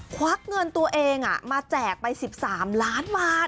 ควักเงินตัวเองมาแจกไป๑๓ล้านบาท